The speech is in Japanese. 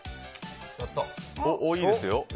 おお、いいですよ。